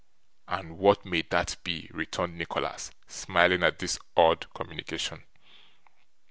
'And what may that be?' returned Nicholas, smiling at this odd communication.